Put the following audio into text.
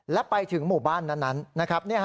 และไปถึงหมู่บ้านนั้นนะครับ